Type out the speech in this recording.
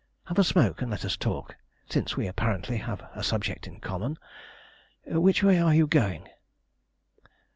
Have a smoke and let us talk, since we apparently have a subject in common. Which way are you going?"